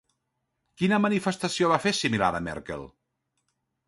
Quina manifestació va fer similar a Merkel?